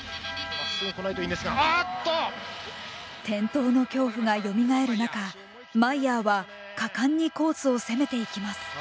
転倒の恐怖がよみがえる中マイヤーは果敢にコースを攻めていきます。